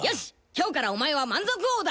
今日からお前は満足王だ！